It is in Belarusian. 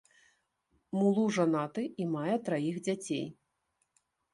Мулу жанаты і мае траіх дзяцей.